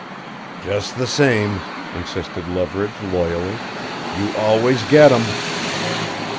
"Just the same," insisted Leverage loyally, "you always get 'em!"